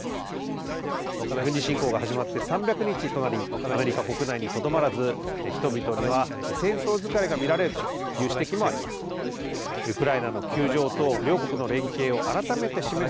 軍事侵攻が始まって３００日となり、アメリカ国内にとどまらず、人々には戦争疲れが見られるという指摘もあります。